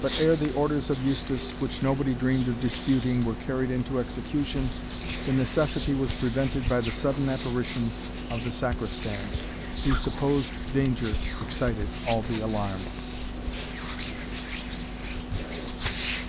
But ere the orders of Eustace, which nobody dreamed of disputing, were carried into execution, the necessity was prevented by the sudden apparition of the Sacristan, whose supposed danger excited all the alarm.